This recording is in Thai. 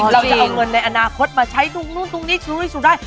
เราจะเอาเงินในอนาคตมาใช้ตรงนู้นตรงนี้สูงที่สุดได้